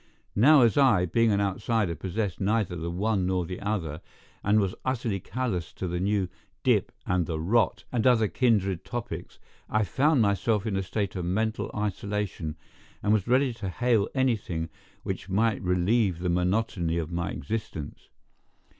Now as I, being an outsider, possessed neither the one nor the other, and was utterly callous to the new "dip" and the "rot" and other kindred topics, I found myself in a state of mental isolation, and was ready to hail anything which might relieve the monotony of my existence.